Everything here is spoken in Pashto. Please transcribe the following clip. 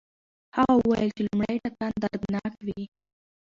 هغه وویل چې لومړی ټکان دردناک وي.